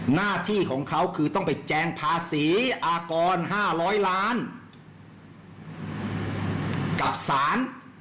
หน้าที่ของเขาคือต้องไปแจงภาษีอากร๕๐๐ล้านกับสาร